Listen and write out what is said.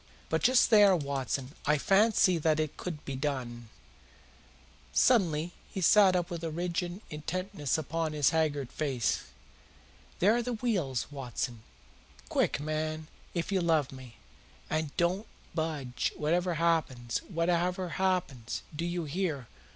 But just there, Watson, I fancy that it could be done." Suddenly he sat up with a rigid intentness upon his haggard face. "There are the wheels, Watson. Quick, man, if you love me! And don't budge, whatever happens whatever happens, do you hear?